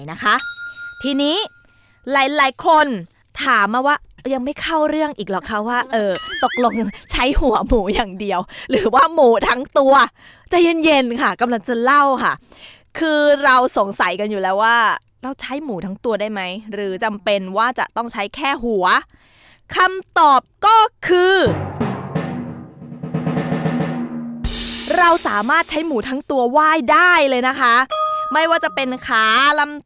นะคะทีนี้หลายหลายคนถามมาว่ายังไม่เข้าเรื่องอีกหรอกค่ะว่าเออตกลงใช้หัวหมูอย่างเดียวหรือว่าหมูทั้งตัวใจเย็นเย็นค่ะกำลังจะเล่าค่ะคือเราสงสัยกันอยู่แล้วว่าเราใช้หมูทั้งตัวได้ไหมหรือจำเป็นว่าจะต้องใช้แค่หัวคำตอบก็คือเราสามารถใช้หมูทั้งตัวไหว้ได้เลยนะคะไม่ว่าจะเป็นขาลำ